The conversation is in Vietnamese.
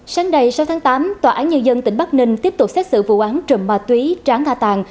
sáng đầy sáu tháng tám tòa án nhân dân tỉnh bắc ninh tiếp tục xét xử vụ án trùm ma túy tráng tha tàng